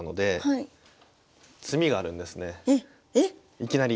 いきなり。